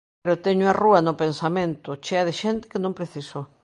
Pero teño a rúa no pensamento, chea de xente que non preciso.